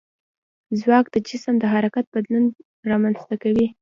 ځواک د جسم د حرکت بدلون رامنځته کوي.